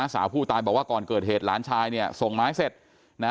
สาวผู้ตายบอกว่าก่อนเกิดเหตุหลานชายเนี่ยส่งไม้เสร็จนะ